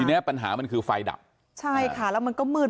เนี้ยปัญหามันคือไฟดับใช่ค่ะแล้วมันก็มืด